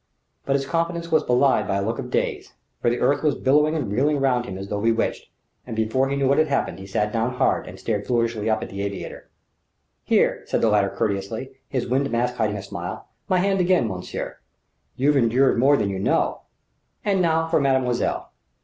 But his confidence was belied by a look of daze; for the earth was billowing and reeling round him as though bewitched; and before he knew what had happened he sat down hard and stared foolishly up at the aviator. "Here!" said the latter courteously, his wind mask hiding a smile "my hand again, monsieur. You've endured more than you know. And now for mademoiselle."